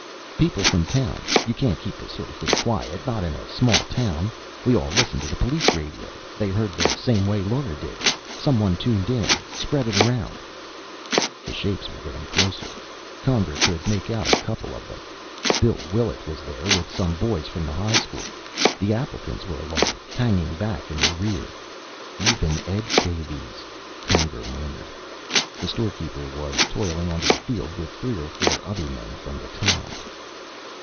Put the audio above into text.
"People from the town. You can't keep this sort of thing quiet, not in a small town. We all listen to the police radio; they heard the same way Lora did. Someone tuned in, spread it around " The shapes were getting closer. Conger could, make out a couple of them. Bill Willet was there, with some boys from the high school. The Appletons were along, hanging back in the rear. "Even Ed Davies," Conger murmured. The storekeeper was toiling onto the field, with three or four other men from the town.